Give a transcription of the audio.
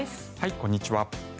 こんにちは。